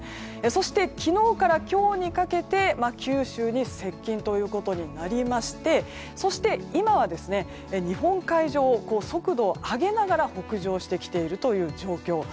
そして、昨日から今日にかけて九州に接近ということになりましてそして今は日本海上を速度を上げながら北上してきているという状況。